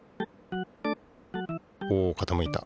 おかたむいた。